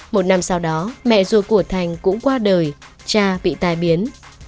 một năm sau đó mẹ ruột của thành cũng qua đời cha bị tai biến